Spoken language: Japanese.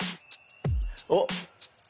おっ。